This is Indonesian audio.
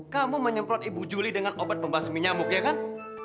kamu menyemprot ibu juli dengan obat pembasu menyamuk ya kan